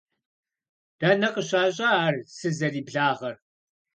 Дэнэ къыщащӀа ар сызэриблагъэр?